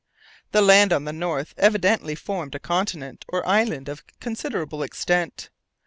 The land on the north evidently formed a continent or island of considerable extent.